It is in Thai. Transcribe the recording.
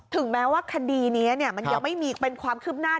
ถึงแม้ว่าคดีนี้มันยังไม่มีเป็นความคืบหน้า